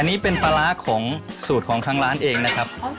อันนี้เป็นปลาร้าของสูตรของทางร้านเองนะครับ